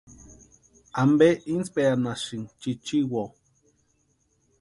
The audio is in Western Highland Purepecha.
¿Ampe insperanhasïni chichiwoo?